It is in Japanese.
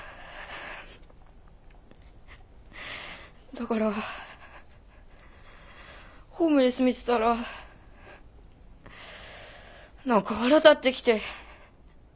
だからホームレス見てたら何か腹立ってきて。